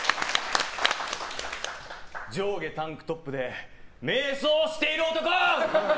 上下タンクトップで迷走している男！